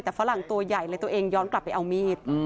แต่ฝรั่งตัวใหญ่เลยตัวเองย้อนกลับไปเอามีด